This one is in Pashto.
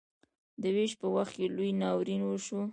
د ویش په وخت کې لوی ناورین وشو.